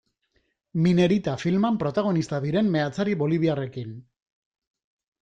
Minerita filman protagonista diren meatzari boliviarrekin.